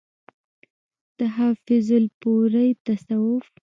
د حافظ الپورئ تصوف